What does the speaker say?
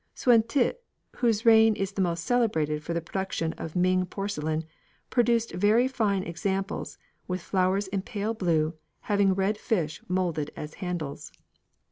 Suen tih, whose reign is the most celebrated for the production of Ming porcelain, produced very fine examples, with flowers in pale blue, having red fish moulded as handles.